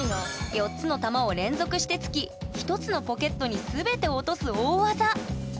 ４つの球を連続して突き一つのポケットに全て落とす大技！